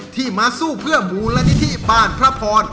ที่มาสู้เพื่อมูลนิธิมาก